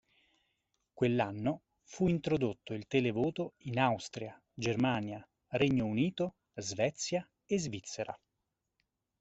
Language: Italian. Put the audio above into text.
Quell'anno fu introdotto il televoto in Austria, Germania, Regno Unito, Svezia e Svizzera.